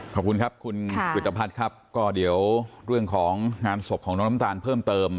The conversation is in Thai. ขอบคุณครับคุณกริตภัทรครับก็เดี๋ยวเรื่องของงานศพของน้องน้ำตาลเพิ่มเติม